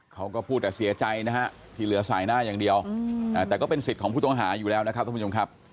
เขาก็พูดแต่เสียใจนะฮะที่เหลือสายหน้าอย่างเดียวแต่ก็เป็นสิทธิ์ของผู้ต้องหาอยู่แล้วนะครับท่านผู้ชมครับ